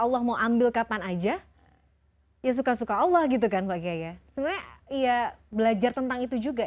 allah mau ambil kapan aja ya suka suka allah gitu kan pak kiai ya sebenarnya ya belajar tentang itu juga